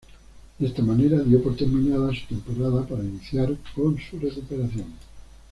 De esta manera, dio por terminada su temporada para iniciar con su recuperación.